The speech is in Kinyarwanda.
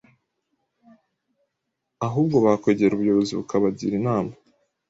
ahubwo bakwegera ubuyobozi bukabagira inama...